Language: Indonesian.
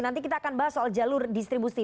nanti kita akan bahas soal jalur distribusi